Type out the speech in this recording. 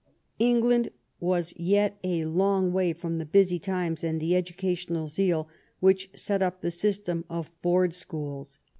England was yet a long way from the busy times and the educational zeal which set up the system of Board Schools.